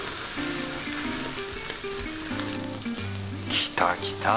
きたきた！